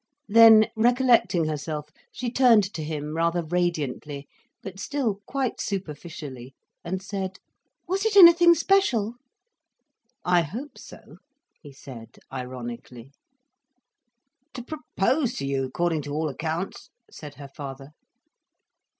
Then, recollecting herself, she turned to him rather radiantly, but still quite superficially, and said: "Was it anything special?" "I hope so," he said, ironically. "—To propose to you, according to all accounts," said her father.